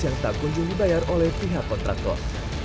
yang tak kunjung dibayar oleh pihak kontraktor